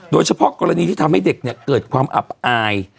โดยเฉพาะกรณีที่ทำให้เด็กเกิดความอับอาย